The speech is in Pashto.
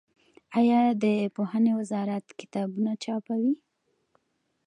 آیا د پوهنې وزارت کتابونه چاپوي؟